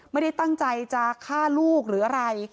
ไม่ได้ตั้งใจจะฆ่าลูกหรืออะไร